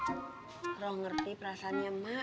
orang ngerti perasaannya mak